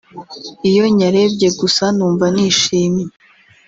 iyo nyarebye gusa numva nishimye